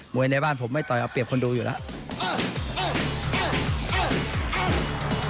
วยในบ้านผมไม่ต่อยเอาเปรียบคนดูอยู่แล้ว